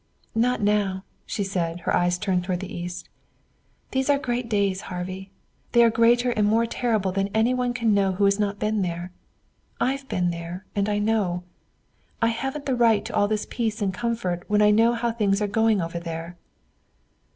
"Not now," she said, her eyes turned toward the east. "These are great days, Harvey. They are greater and more terrible than any one can know who has not been there. I've been there and I know. I haven't the right to all this peace and comfort when I know how things are going over there."